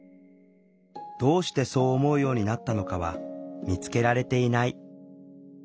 どうしてそう思うようになったのかは見つけられていない。